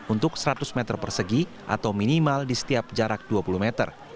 untuk seratus meter persegi atau minimal di setiap jarak dua puluh meter